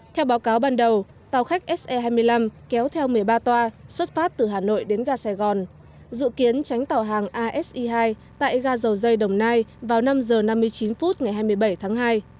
theo báo cáo ban đầu tàu khách se hai mươi năm kéo theo một mươi ba toa xuất phát từ hà nội đến ga sài gòn dự kiến tránh tàu hàng ase hai tại ga dầu dây đồng nai vào năm h năm mươi chín phút ngày hai mươi bảy tháng hai